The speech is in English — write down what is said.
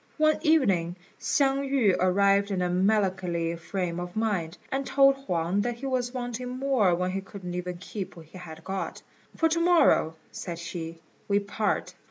One evening Hsiang yü arrived in a melancholy frame of mind, and told Huang that he was wanting more when he couldn't even keep what he had got; "for to morrow," said she, "we part."